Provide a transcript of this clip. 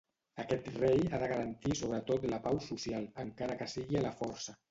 Aquest rei ha de garantir sobretot la pau social, encara que sigui a la força.